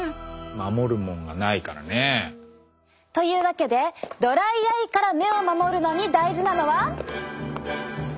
守るもんがないからね。というわけでドライアイから目を守るのに大事なのは。